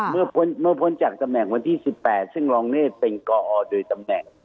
เมื่อพ้นเมื่อพ้นจากตำแหน่งวันที่๑๘ซึ่งรองเนธเป็นกอโดยตำแหน่ง